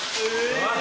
おい。